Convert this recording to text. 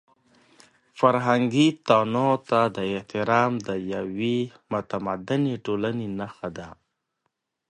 فرهنګي تنوع ته احترام د یوې متمدنې ټولنې نښه ده.